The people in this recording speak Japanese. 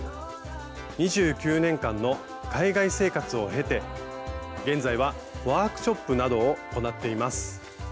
２９年間の海外生活を経て現在はワークショップなどを行っています。